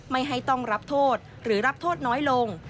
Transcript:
ไม่ให้ต้องรับโทษหรือรับโทษน้อยลง